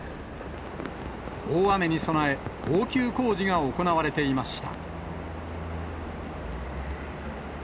大雨に備え、応急工事が行われていました。